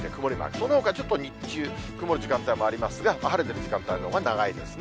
そのほか日中、曇る時間帯もありますが、晴れてる時間帯のほうが長いですね。